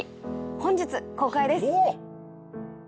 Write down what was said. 本日公開です。